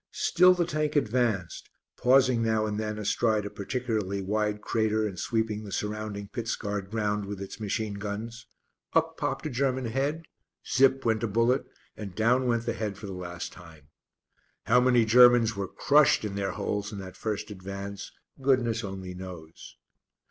Still the Tank advanced, pausing now and then, astride a particularly wide crater, and sweeping the surrounding pit scarred ground with its machine guns. Up popped a German head. Zip went a bullet; and down went the head for the last time. How many Germans were crushed in their holes in that first advance goodness only knows.